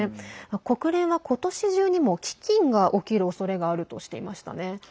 国連は今年中にも飢きんが起きるおそれがあるとしていましたね。